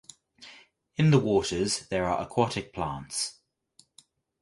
In the waters there are aquatic plants.